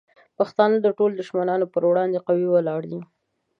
پښتانه د ټولو دشمنانو پر وړاندې قوي ولاړ دي.